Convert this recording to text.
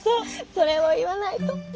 それを言わないと。